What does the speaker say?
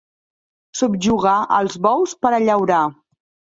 Subjugar els bous per a llaurar.